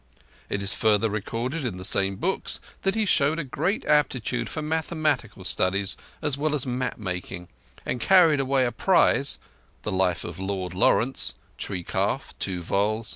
It is further recorded in the same books that he showed a great aptitude for mathematical studies as well as map making, and carried away a prize (The Life of Lord Lawrence, tree calf, two vols.